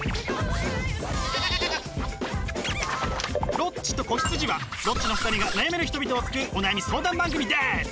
「ロッチと子羊」はロッチの２人が悩める人々を救うお悩み相談番組です！